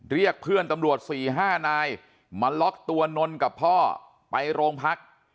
เรียกเพื่อนตำรวจ๔๕นายมาล็อกตัวนนกับพ่อไปโรงพัก